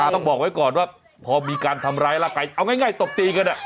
ต้องบอกไว้ก่อนว่าพอมีการทำร้ายร่างกายเอาง่ายตบตีกัน